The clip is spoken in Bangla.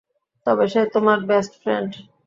তবে সে তোমার বেস্ট ফ্রেন্ড।